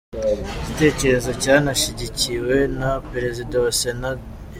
Igitekerezo cyanashyigikiwe na Perezida wa Sena, Dr.